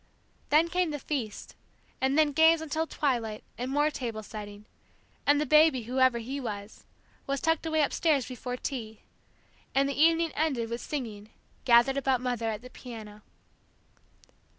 Then came the feast, and then games until twilight, and more table setting; and the baby, whoever he was, was tucked away upstairs before tea, and the evening ended with singing, gathered about Mother at the piano.